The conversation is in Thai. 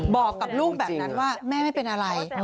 บอกกับลูกแบบนั้นว่าแม่ไม่เป็นอะไร